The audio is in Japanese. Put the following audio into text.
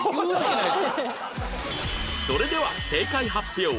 それでは正解発表